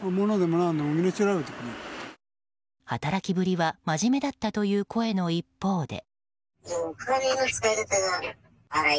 働きぶりは真面目だったという声の一方で。